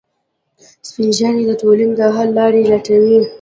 سپین ږیری د ټولنې د حل لارې لټوي